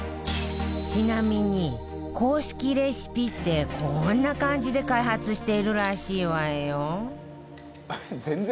ちなみに公式レシピってこんな感じで開発しているらしいわよ